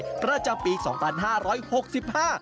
การอนุรักษ์การแข่งขันประเพณีวิ่งควายประจำปี๒๕๖๕